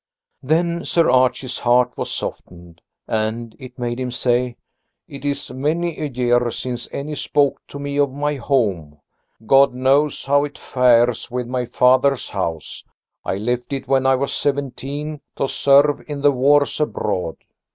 Then Sir Archie's heart was softened, and it made him say: "It is many a year since any spoke to me of my home. God knows how it fares with my father's house. I left it when I was seventeen to serve in the wars abroad."